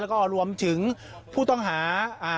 แล้วก็รวมถึงผู้ต้องหา